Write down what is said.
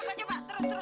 kenal kenal gua